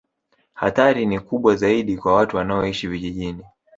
Hatari ni kubwa zaidi kwa watu wanaoishi vijijini